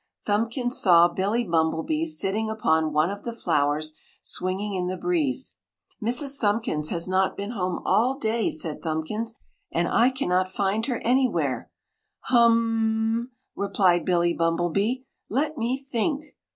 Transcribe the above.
Thumbkins saw Billy Bumblebee sitting upon one of the flowers, swinging in the breeze. "Mrs. Thumbkins has not been home all day!" said Thumbkins. "And I can not find her anywhere!" "HUMMMM!" replied Billy Bumblebee. "Let me think!